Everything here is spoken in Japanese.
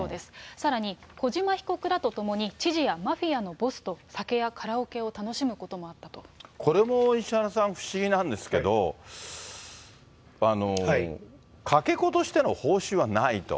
さらに、小島被告らと共に知事やマフィアのボスと酒やカラオケを楽しむここれも石原さん、不思議なんですけれども、かけ子としての報酬はないと。